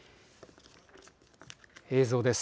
映像です。